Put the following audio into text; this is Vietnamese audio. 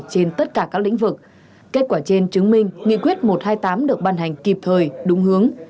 trên tất cả các lĩnh vực kết quả trên chứng minh nghị quyết một trăm hai mươi tám được ban hành kịp thời đúng hướng